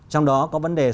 trong đó có vấn đề